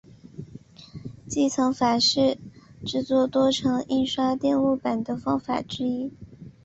积层法是制作多层印刷电路板的方法之一。